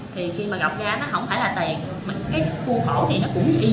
thì khi mà gọng ra nó không phải là tiền mà cái khu khổ thì nó cũng y như tiền vậy đó